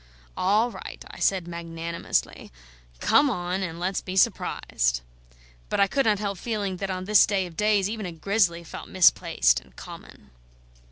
"All right," I said magnanimously. "Come on and let's be surprised." But I could not help feeling that on this day of days even a grizzly felt misplaced and common.